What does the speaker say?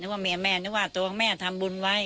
ว่าแม่นึกว่าตัวแม่ทำบุญไว้